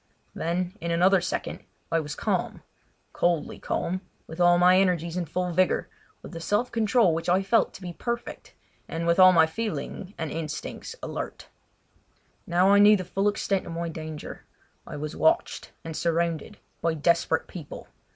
Then, in another second, I was calm—coldly calm, with all my energies in full vigour, with a self control which I felt to be perfect and with all my feeling and instincts alert. Now I knew the full extent of my danger: I was watched and surrounded by desperate people!